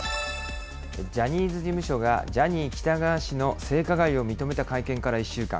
ジャニーズ事務所が、ジャニー喜多川氏の性加害を認めた会見から１週間。